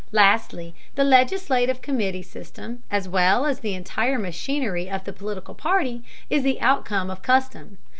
Lastly, the legislative committee system, as well as the entire machinery of the political party, is the outcome of custom.